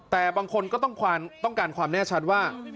แต่บางคนก็ต้องการความแน่ชัดว่า